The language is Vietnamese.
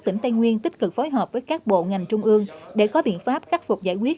tỉnh tây nguyên tích cực phối hợp với các bộ ngành trung ương để có biện pháp khắc phục giải quyết